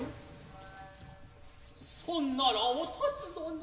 そんならお辰どの。